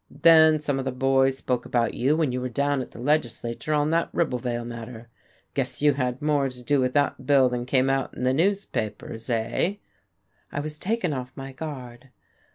Then some of the boys spoke about you when you were down at the legislature on that Ribblevale matter. Guess you had more to do with that bill than came out in the newspapers eh?" I was taken off my guard.